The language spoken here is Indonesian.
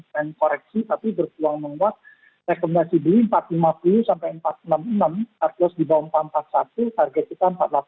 time koreksi tapi berpeluang menguat rekomendasi beli empat ratus lima puluh sampai empat ratus enam puluh enam atlas dibawah empat ratus sebelas target